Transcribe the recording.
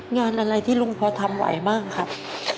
งานอะไรที่ลุงพอทำไหวบ้างครับ